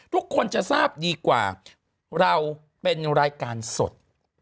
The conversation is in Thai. ทุกคนจะทราบดีกว่าเราเป็นรายการสด